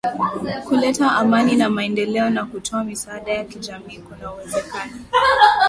kuleta amani na maendeleo na kutoa misaada ya kijamii Kuna uwezekano